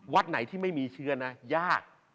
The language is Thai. วัดไหนที่ไม่มีเชื้อนะยาก